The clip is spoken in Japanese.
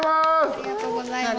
ありがとうございます。